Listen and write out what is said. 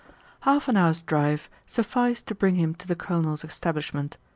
Half an hour's drive sufficed to bring him to the Colonel's establishment.